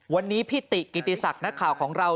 วันนี้พี่ติกิติศักดิ์นักข่าวของเรา